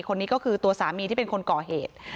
คนนี้ก็คือตัวสามีที่เป็นคนก่อเหตุ